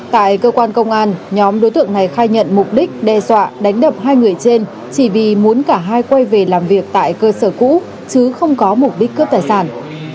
tại cơ quan công an nhóm đối tượng này khai nhận mục đích đe dọa đánh đập hai người trên chỉ vì muốn cả hai quay về làm việc tại cơ sở cũ chứ không có mục đích cướp tài sản